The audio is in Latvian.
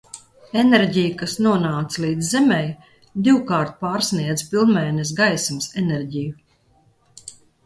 Enerģija, kas nonāca līdz Zemei, divkārt pārsniedza pilnmēness gaismas enerģiju.